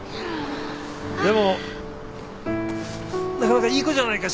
でもなかなかいい子じゃないか。